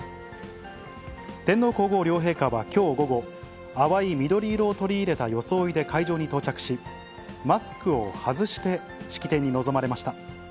天皇皇后両陛下はきょう午後、淡い緑色を取り入れた装いで会場に到着し、マスクを外して式典に臨まれました。